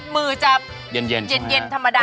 มือจะเย็นธรรมดา